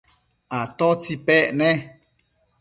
¿atótsi pec ne?